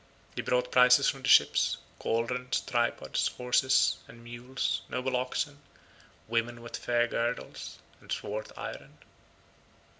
He brought prizes from the ships—cauldrons, tripods, horses and mules, noble oxen, women with fair girdles, and swart iron.